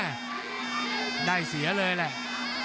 ภูตวรรณสิทธิ์บุญมีน้ำเงิน